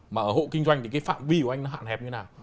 mà ở hộ kinh doanh thì cái phạm vi của anh nó hạn hẹp như thế nào